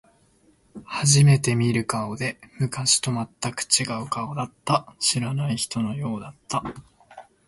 初めて見る顔で、昔と全く違う顔だった。知らない人の顔のようだった。